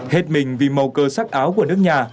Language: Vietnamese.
hết mình vì màu cơ sắc áo của nước nhà